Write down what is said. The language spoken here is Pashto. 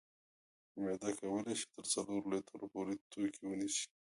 معده کولی شي تر څلورو لیترو پورې توکي ونیسي.